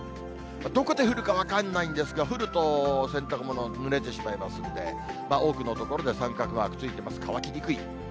どこで降るか分からないんですが、降ると洗濯物、ぬれてしまいますんで、多くの所で三角マークついてます、乾きにくい。